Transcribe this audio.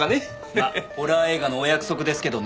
まっホラー映画のお約束ですけどね。